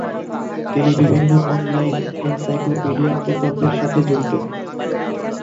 তিনি বিভিন্ন online encyclopedia প্রকল্পের সাথে জড়িত।